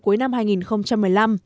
cuối năm hai nghìn một mươi năm